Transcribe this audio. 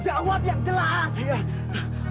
jawab yang jelas